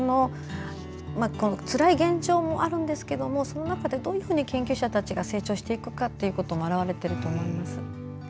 つらい現状もあるんですがその中でどういうふうに研究者たちが成長していくかというのも表れていると思います。